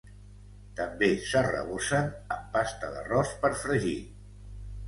També s'arrebossen amb pasta d'arròs per fregir.